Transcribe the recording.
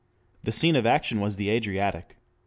The scene of action was the Adriatic.